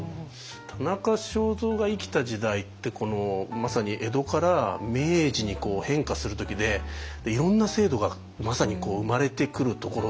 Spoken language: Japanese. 田中正造が生きた時代ってまさに江戸から明治に変化する時でいろんな制度がまさに生まれてくるところで。